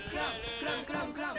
クラムクラムクラム！